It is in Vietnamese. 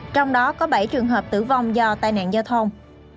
trong đó có bảy trường hợp tử vong do tai nạn giao thông